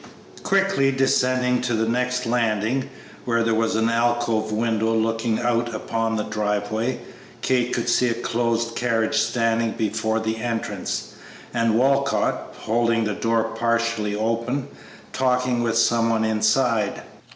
Quickly descending to the next landing, where there was an alcove window looking out upon the driveway, Kate could see a closed carriage standing before the entrance, and Walcott, holding the door partially open, talking with some one inside.